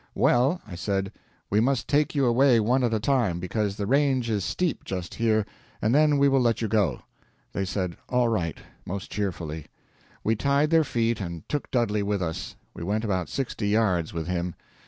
'Well,' I said, 'we must take you away one at a time, because the range is steep just here, and then we will let you go.' They said, 'All right,' most cheerfully. We tied their feet, and took Dudley with us; we went about sixty yards with him.